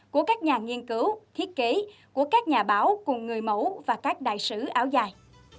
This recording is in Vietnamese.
của các nhà nghiên cứu thiết kế của các nhà báo cùng người mẫu và các đại sứ áo dài